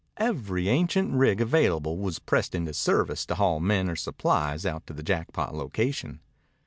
Every ancient rig available was pressed into service to haul men or supplies out to the Jackpot location.